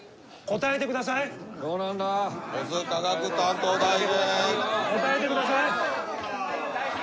・答えてくださいよ！